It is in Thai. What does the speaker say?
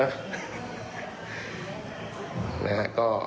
ยังไม่ได้เข้าไปจะทำให้พักก็โดนยุบซะนะ